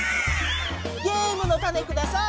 ゲームのタネください！